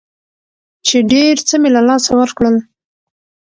چې ډېر څه مې له لاسه ورکړل.